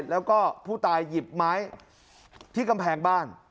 แล้วก็ผู้ตายหยิบไม้ที่กำแพงบ้าน